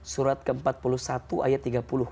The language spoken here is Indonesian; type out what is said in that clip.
surat ke empat puluh satu ayat tiga puluh